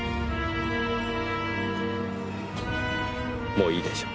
もういいでしょう。